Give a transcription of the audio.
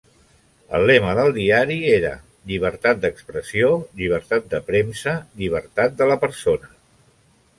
El lema del diari era "Llibertat d'Expressió, Llibertat de Premsa, Llibertat de la Persona".